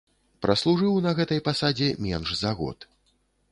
Праслужыў на гэтай пасадзе менш за год.